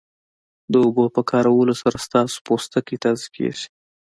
د اوبو په کارولو سره ستاسو پوستکی تازه کیږي